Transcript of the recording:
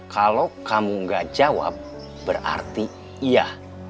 kalau kamu gak jawab berarti iya